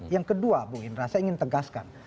yang kedua bung indra saya ingin tegaskan